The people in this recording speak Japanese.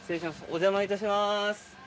お邪魔いたします。